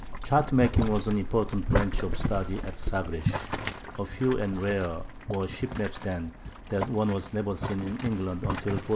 Chart making was an important branch of study at Sagres. So few and rare were sea maps then that one was never seen in England until 1489.